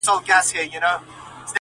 نه له ما سره غمی دی چا لیدلی،